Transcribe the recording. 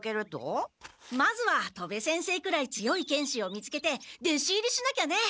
まずは戸部先生くらい強い剣士を見つけてでし入りしなきゃね！